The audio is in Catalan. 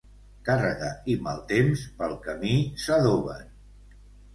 Càrrega i mal temps pel camí s'adoben.